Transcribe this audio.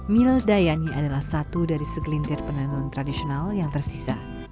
mil dayani adalah satu dari segelintir penenun tradisional yang tersisa